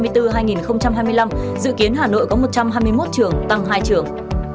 dự kiến hà nội có một trăm hai mươi một trường tăng hai trường